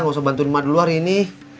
gak usah bantuin emak di luar ini